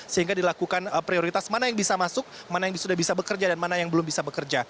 sehingga dilakukan prioritas mana yang bisa masuk mana yang sudah bisa bekerja dan mana yang belum bisa bekerja